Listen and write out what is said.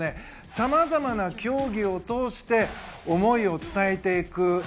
さまざまな競技を通して思いを伝えていく。